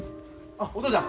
あっお父ちゃん